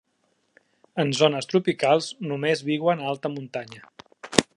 En zones tropicals només viuen a alta muntanya.